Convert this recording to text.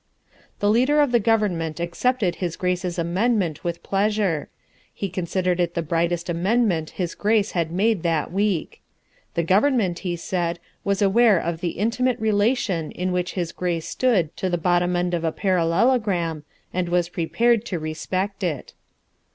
The Leader of the Government accepted His Grace's amendment with pleasure. He considered it the brightest amendment His Grace had made that week. The Government, he said, was aware of the intimate relation in which His Grace stood to the bottom end of a parallelogram and was prepared to respect it.